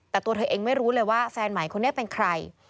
แต่ตัวเธอเองไม่รู้เลยว่าแฟนใหม่คนนี้เป็นใคร